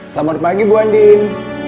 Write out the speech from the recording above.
selamat pagi bu andin